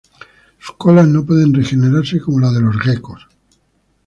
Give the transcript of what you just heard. Sus colas no pueden regenerarse como las de los geckos.